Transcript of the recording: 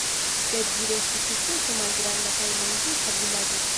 Sed ĝi restis sufiĉe malgranda kaj malriĉa vilaĝo.